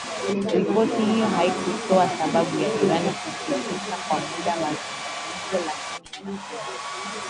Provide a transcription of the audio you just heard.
Ripoti hiyo haikutoa sababu ya Iran kusitisha kwa muda mazungumzo lakini inakuja